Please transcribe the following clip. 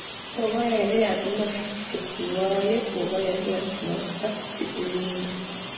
Oba yali avuma ffe kulwayo, oba yali avuma bba, ssiikulimbe.